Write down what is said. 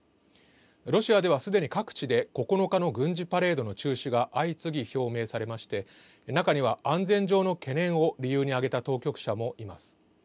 ロシアではすでに各地で９日の軍事パレードの中止が相次ぎ表明されまして、中には安全上の懸念を理由に挙げた当局者もいます。